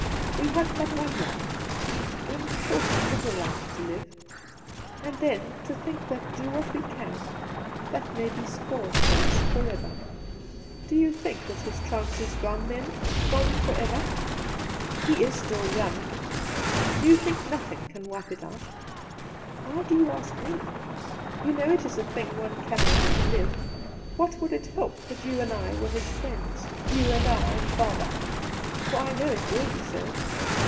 We have but one life — one short little life, to live, and then, to think that, do what we can, that may be spoiled for us for ever !'' Do you think that his chance is gone, then — gone for ever ? He is still young. Do you think nothing can wipe it out V ' Why do you ask me 1 You know it is a thing one cannot outlive. What would it help that you and I were his friends — ^you and I and father ?— for I know it will be so.